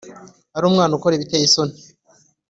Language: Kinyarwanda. ari umwana ukora ibiteye isoni